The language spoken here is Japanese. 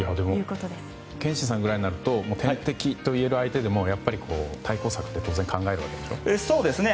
憲伸さんくらいになると天敵といういえる相手でも対抗策を当然考えるわけでしょ。